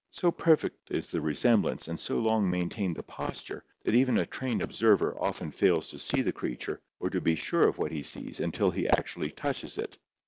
So perfect is the resemblance and so long maintained the posture that even a trained observer often fails to see the creature or to be sure of what he sees until he actually touches it.